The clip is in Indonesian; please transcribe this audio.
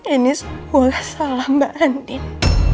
ini semua salah mbak andien